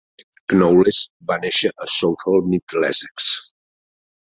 Knowles va néixer a Southall, Middlesex.